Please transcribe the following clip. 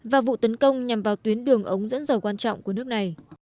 và vụ tấn công nhằm vào tuyến đường ống dẫn dầu quan trọng của nước này